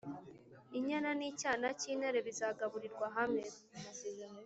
Inyana n’icyana cy’intare bizagaburirwa hamwe,